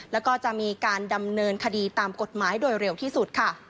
แล้วก็จะมีการดำเนินคดีตามกฎหมายโดยเร็วที่สุดค่ะ